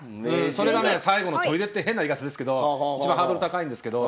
それがね最後のとりでって変な言い方ですけどいちばんハードル高いんですけど。